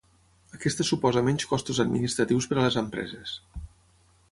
Aquesta suposa menys costos administratius per a les empreses.